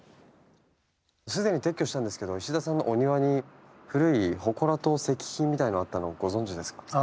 すでに撤去したんですけど石田さんのお庭に古いほこらと石碑みたいのあったの、ご存じですか？